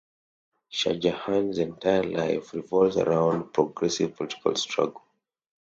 Shahjahan’s entire life revolves around progressive political struggle.